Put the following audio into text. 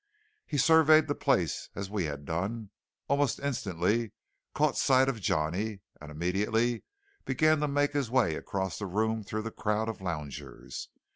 He surveyed the place as we had done, almost instantly caught sight of Johnny, and immediately began to make his way across the room through the crowds of loungers.